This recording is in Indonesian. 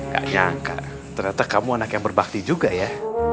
gak nyangka ternyata kamu anak yang berbakti juga ya